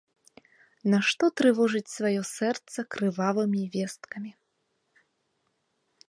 Нашто трывожыць сваё сэрца крывавымі весткамі.